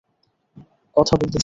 কথা বলতে চাই।